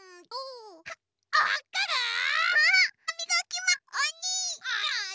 おに！